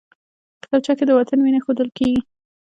کتابچه کې د وطن مینه ښودل کېږي